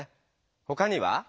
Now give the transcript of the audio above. ほかには？